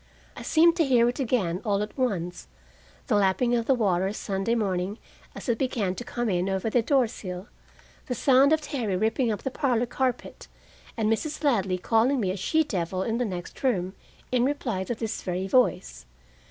I seemed to hear again, all at once, the lapping of the water Sunday morning as it began to come in over the door sill; the sound of Terry ripping up the parlor carpet, and Mrs. Ladley calling me a she devil in the next room, in reply to this very voice.